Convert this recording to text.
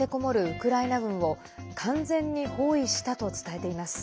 ウクライナ軍を完全に包囲したと伝えています。